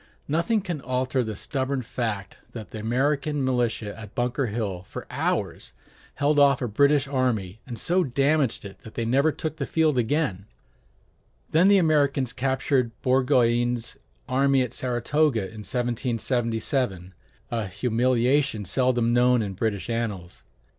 Nothing can alter the stubborn fact that the American militia at Bunker Hill for hours held off a British army and so damaged it that it never took the field again; then the Americans captured Burgoyne's army at Saratoga in 1777, a humiliation seldom known in British annals.